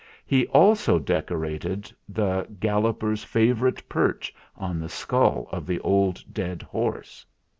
He also decorated the Gal loper's favourite perch on the skull of the old dead horse.